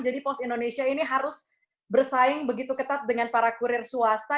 jadi pt pos indonesia ini harus bersaing begitu ketat dengan para kurir swasta